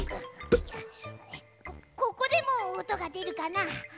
こここでもおとがでるかな？